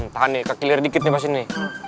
tahan nih kekelir dikit nih pas ini